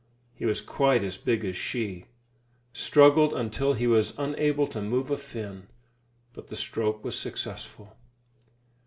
He was quite as big as she, struggled until he was unable to move a fin; but the stroke was successful.